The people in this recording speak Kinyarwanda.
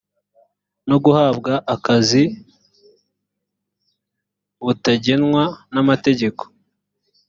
no guhabwa akazi buteganywa n amategeko